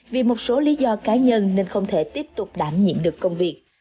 vì một số lý do cá nhân nên không thể tiếp tục đảm nhiệm được công việc